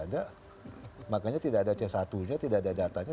enggak makanya tidak ada c satu nya tidak ada datanya tidak ada pertanyaannya